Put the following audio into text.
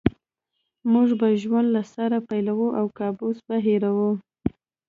موږ به ژوند له سره پیلوو او کابوس به هېروو